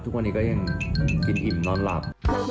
ทุกวันนี้ก็ยังกินอิ่มนอนหลับ